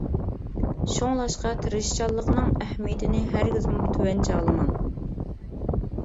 شۇڭلاشقا تىرىشچانلىقنىڭ ئەھمىيىتىنى ھەرگىزمۇ تۆۋەن چاغلىماڭ.